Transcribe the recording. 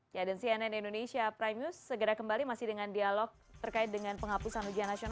terima kasih pak menteri